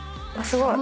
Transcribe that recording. すごい！